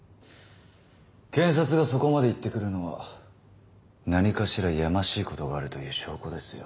検察がそこまで言ってくるのは何かしらやましいことがあるという証拠ですよ。